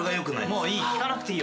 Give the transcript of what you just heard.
もういい。